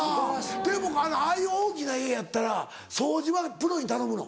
でもああいう大きな家やったら掃除はプロに頼むの？